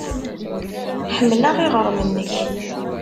Ḥemmleɣ iɣrem-nnek.